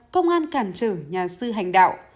công an cản trở nhà sư hành đạo